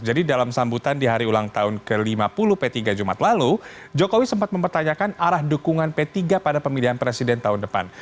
jadi dalam sambutan di hari ulang tahun ke lima puluh p tiga jumat lalu jokowi sempat mempertanyakan arah dukungan p tiga pada pemilihan presiden tahun depan